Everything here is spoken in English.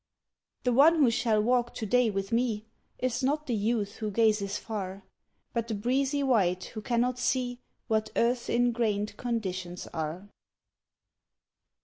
The one who shall walk to day with me Is not the youth who gazes far, But the breezy wight who cannot see What Earth's ingrained conditions are.